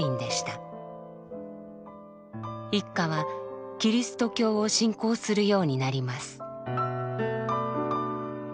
一家はキリスト教を信仰するようになります。